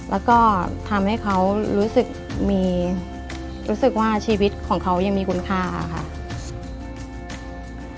และก็ทำให้เขารู้สึกว่าชีวิตของเขายังมีกุญค่าค่ะ